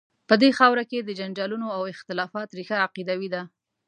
په دې خاوره کې د جنجالونو او اختلافات ریښه عقیدوي ده.